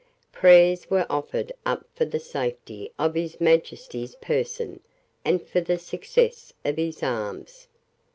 Prayers were offered up for the safety of His Majesty's person and for the success of his arms.